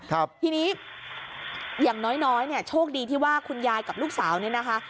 ทีนี้อย่างน้อยโชคดีที่ว่าคุณยายกับลูกสาวนี้นะคะ